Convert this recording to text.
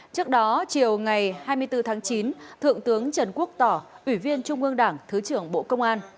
trước đó chiều ngày hai mươi bốn tháng chín thượng tướng trần quốc tỏ ủy viên trung ương đảng thứ trưởng bộ công an